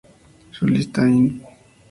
Su lista Inc.